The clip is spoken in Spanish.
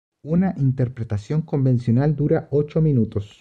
Una interpretación convencional dura ocho minutos.